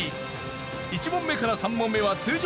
１問目から３問目は通常問題。